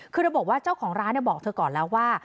คือเธอบอกว่าเจ้าของร้านบอกเธอก่อนแล้วว่า